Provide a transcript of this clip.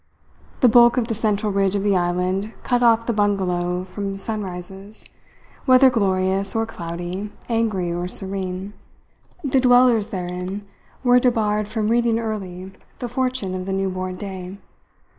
The bulk of the central ridge of the island cut off the bungalow from sunrises, whether glorious or cloudy, angry or serene. The dwellers therein were debarred from reading early the fortune of the new born day.